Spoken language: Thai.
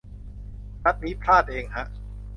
นัดนี้ พลาดเองฮะ